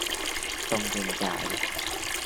東京街